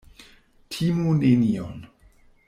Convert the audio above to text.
Timu nenion.